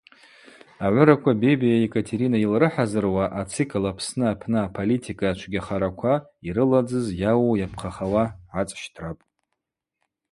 Агӏвыраква Бебиа Екатерина йылрыхӏазыруа ацикл Апсны апны аполитика чвгьахараква йрыладзыз йауу йапхъахауа гӏацӏщтрапӏ.